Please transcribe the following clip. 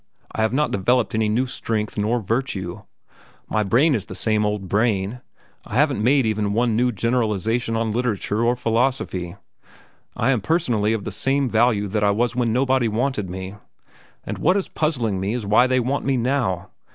I have not developed any new strength nor virtue. My brain is the same old brain. I haven't made even one new generalization on literature or philosophy. I am personally of the same value that I was when nobody wanted me. And what is puzzling me is why they want me now.